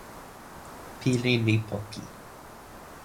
pilin li poki.